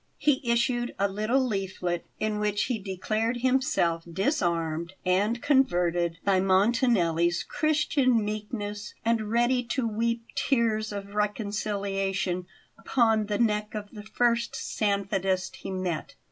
He issued a little leaflet, in which he declared himself disarmed and converted by Montanelli's Christian meekness and ready to weep tears of reconciliation upon the neck of the first Sanfedist he met.